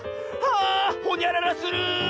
あほにゃららする！